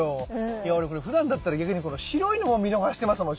いや俺ふだんだったら逆にこの白いのも見逃してますもん。